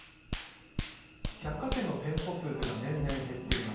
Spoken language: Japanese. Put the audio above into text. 百貨店の店舗数は年々減っています。